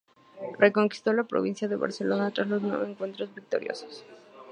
Reconquistó la provincia de Barcelona tras nueve encuentros victoriosos.